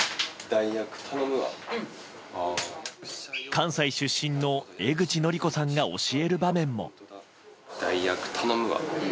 関西出身の江口のりこさんが教える場面も。